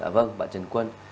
vâng bà trần quân